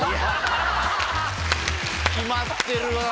決まってるわ！